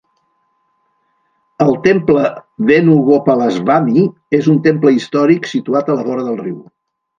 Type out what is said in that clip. El Temple Venugopalaswami és un temple històric situat a la vora del riu.